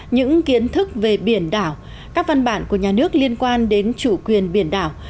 những kiến thức về biển đảo các văn bản của nhà nước liên quan đến chủ quyền biển đảo